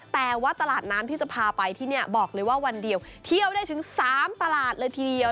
แต่ว่าตลาดน้ำที่จะพาไปที่นี่บอกเลยว่าวันเดียวเที่ยวได้ถึง๓ตลาดเลยทีเดียว